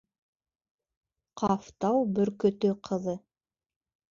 — Ҡафтау бөркөтө ҡыҙы...